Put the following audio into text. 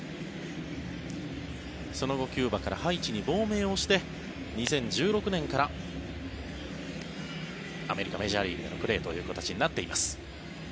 その後、キューバからハイチに亡命をして２０１６年からアメリカ・メジャーリーグでのプレーという形になっています。